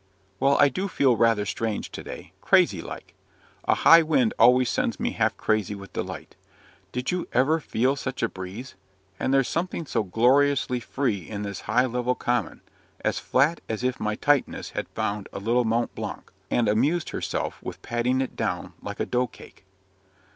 Well, I do feel rather strange to day crazy like; a high wind always sends me half crazy with delight. Did you ever feel such a breeze? And there's something so gloriously free in this high level common as flat as if my Titaness had found a little Mont Blanc, and amused herself with patting it down like a dough cake."